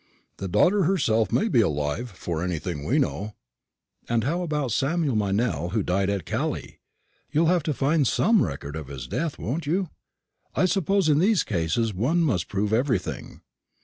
The daughter herself may be alive, for anything we know." "And how about the Samuel Meynell who died at Calais? You'll have to find some record of his death, won't you? I suppose in these cases one must prove everything."